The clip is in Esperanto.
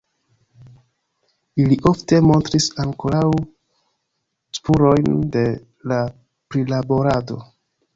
Ili ofte montris ankoraŭ spurojn de la prilaborado.